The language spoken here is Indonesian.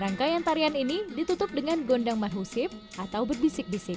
rangkaian tarian ini ditutup dengan gondang mahusib atau berbisik bisik